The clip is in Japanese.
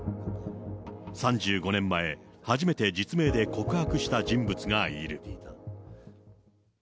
３５年前、初めて実名で告白した人物がいる。